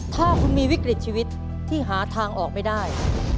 ถ้าคุณมีวิกฤตชีวิตที่หาทางออกไม่ได้